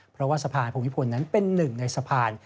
เพราะว่าสะพานภูมิพลนั้นเป็นหนึ่งในสะพาน